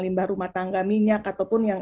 limbah rumah tangga minyak ataupun yang